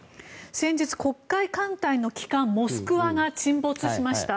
先日、黒海艦隊の旗艦「モスクワ」が沈没しました。